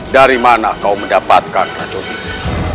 dari mana kau mendapatkan racun ular bumi raja